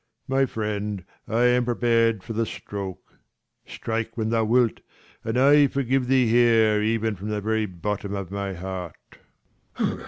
My friend, I am prepared for the stroke : 215 Strike when thou wilt, and JJorgive thee here, Even from the very bottom of my heart.